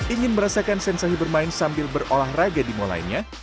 ingin merasakan sensasi bermain sambil berolahraga di mal lainnya